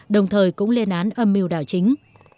đồng thời cũng lên án âm mưu đảo chính